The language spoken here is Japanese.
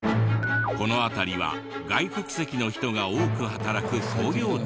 この辺りは外国籍の人が多く働く商業地域。